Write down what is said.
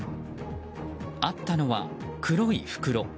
あったのは黒い袋。